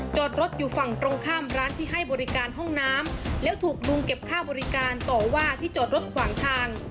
จอดรถอยู่ฝั่งตรงข้ามร้านที่ให้บริการห้องน้ำแล้วถูกลุงเก็บค่าบริการต่อว่าที่จอดรถขวางทาง